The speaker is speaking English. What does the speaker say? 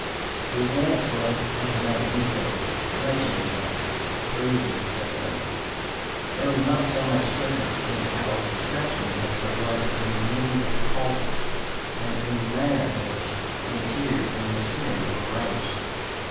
The Advance was, as her name indicated, much in advance of previous submarines. There was not so much difference in outward construction as there was in the means of propulsion and in the manner in which the interior and the machinery were arranged.